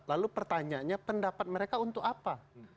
lalu pertanyaannya pendapat mereka untuk apa